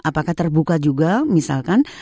apakah terbuka juga misalkan